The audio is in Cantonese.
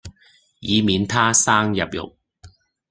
以免它生入肉